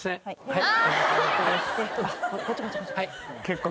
はい。